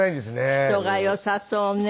人がよさそうね。